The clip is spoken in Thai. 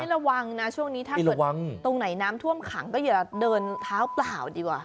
ระวังนะช่วงนี้ถ้าเกิดตรงไหนน้ำท่วมขังก็อย่าเดินเท้าเปล่าดีกว่า